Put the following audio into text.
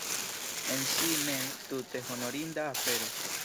En si mem, tute honorinda afero.